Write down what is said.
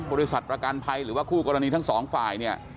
บริษัทประกันภัยหรือว่าคู่กรณีทั้งสองฝ่ายเนี่ย